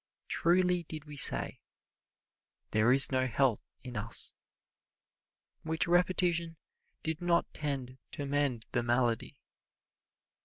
Truly did we say, "There is no health in us," which repetition did not tend to mend the malady.